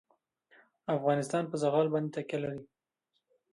افغانستان په زغال باندې تکیه لري.